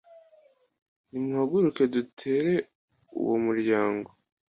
nimuhaguruke dutere uwo muryango!